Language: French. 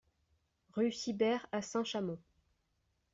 Rue Sibert à Saint-Chamond